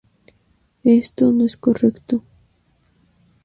Esto no es correcto".